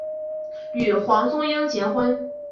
与黄宗英结婚。